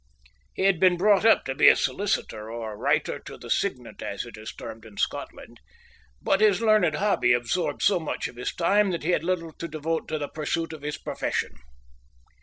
He had been brought up to be a solicitor, or Writer to the Signet, as it is termed in Scotland, but his learned hobby absorbed so much of his time that he had little to devote to the pursuit of his profession.